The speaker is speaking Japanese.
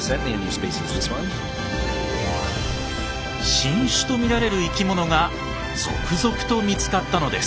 新種とみられる生き物が続々と見つかったのです！